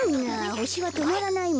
ほしはとまらないもんね。